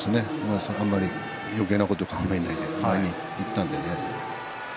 あまりよけいなことを考えないでいったのでね。